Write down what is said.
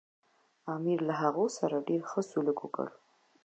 امیر له هغوی سره ډېر ښه سلوک وکړ.